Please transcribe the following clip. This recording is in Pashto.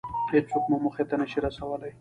هېڅوک مو موخې ته نشي رسولی.